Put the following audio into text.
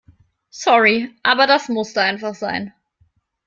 Sorry, aber das musste einfach sein.